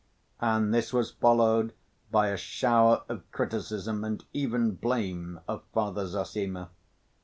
And this was followed by a shower of criticism and even blame of Father Zossima.